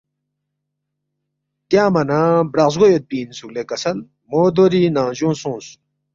تیانگما نہ برق زگو یودپی اِنسُوک لے کسل مو دوری ننگجونگ سونگس